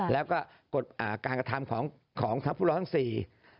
แล้วก็การกระทำของทัพผู้ร้องทั้งสี่